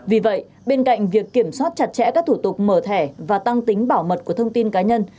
vì vậy bên cạnh việc kiểm soát chặt chẽ các thủ tục mở thẻ và tăng tính bảo mật của thông tin cá nhân